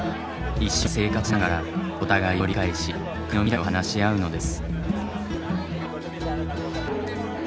一緒に生活しながらお互いを理解し国の未来を話し合うのです。